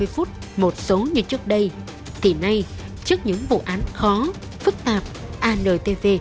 phức tạp antv